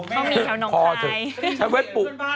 ต้องมีแถวน้องใหค